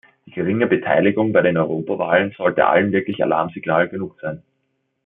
Die geringe Beteiligung bei den Europawahlen sollte allen wirklich Alarmsignal genug sein.